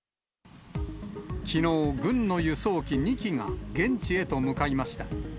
きのう、軍の輸送機２機が現地へと向かいました。